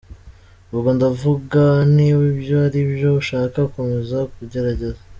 Ubwo ndavuga, niba ibyo ari byo ushaka komeza ugerageze.”